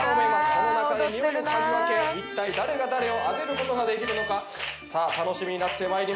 その中でにおいを嗅ぎ分け一体誰が誰を当てる事ができるのか。さあ楽しみになってまいりました。